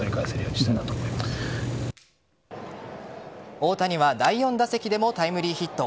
大谷は第４打席でもタイムリーヒット。